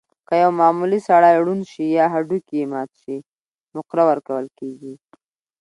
که یو معمولي سړی ړوند شي یا هډوکی یې مات شي، نقره ورکول کېږي.